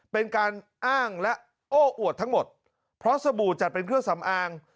เป็นการอ้างและโอ้อวดทั้งหมดเพราะสบู่จัดเป็นเครื่องสำอาง